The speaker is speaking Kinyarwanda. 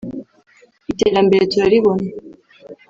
iterambere turaribona